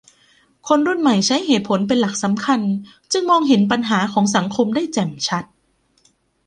คนรุ่นใหม่ใช้เหตุผลเป็นหลักสำคัญจึงมองเห็นถึงปัญหาของสังคมได้แจ่มชัด